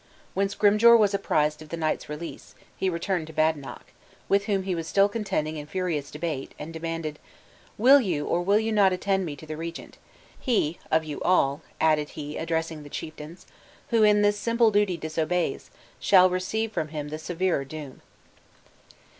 When Scrymgeour was apprised of the knight's release, he turned to Badenoch, with whom he was still contending in furious debate, and demanded: "Will you or will you not attend me to the regent? He of you all," added he, addressing the chieftains, "who in this simple duty disobeys, shall receive from him the severer doom."